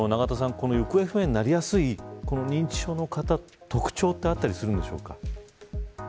この、行方不明になりやすい認知症の方の特徴はあったりするんですか。